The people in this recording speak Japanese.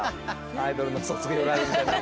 アイドルの卒業ライブみたいに。